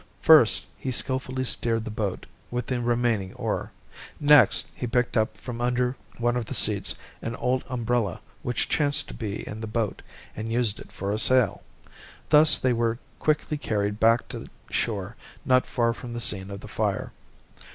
First, he skilfully steered the boat with the remaining oar. Next, he picked up from under one of the seats an old umbrella which chanced to be in the boat, and used it for a sail. Thus they were quickly carried back to shore not far from the scene of the fire.